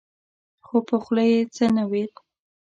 خو په خوله يې څه نه ويل.